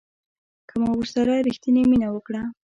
که مو ورسره ریښتینې مینه وکړه